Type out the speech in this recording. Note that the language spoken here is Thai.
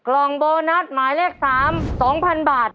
กล่องโบนัสหมายเลข๓๒๐๐๐บาท